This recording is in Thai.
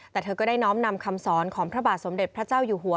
แต่เธอก็ได้น้อมนำคำสอนของพระบาทสมเด็จพระเจ้าอยู่หัว